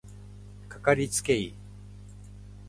かかりつけ医